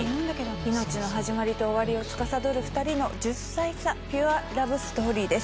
命の始まりと終わりをつかさどる２人の１０歳差ピュアラブストーリーです。